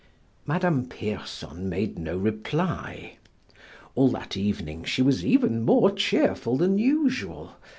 '" Madame Pierson made no reply; all that evening she was even more cheerful than usual.